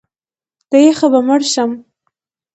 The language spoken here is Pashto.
د یخه به مړ شم!